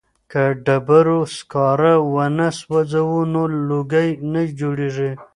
که ډبرو سکاره ونه سوځوو نو لوګی نه جوړیږي.